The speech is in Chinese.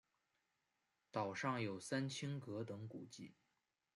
岛上有三清阁等古迹。